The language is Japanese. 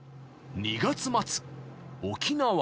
［２月末沖縄］